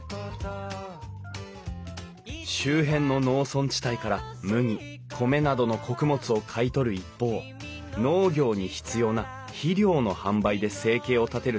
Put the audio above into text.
周辺の農村地帯から麦米などの穀物を買い取る一方農業に必要な肥料の販売で生計を立てる問屋が多かった。